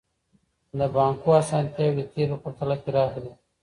د بانکو اسانتياوې د تېر په پرتله پراخي دي.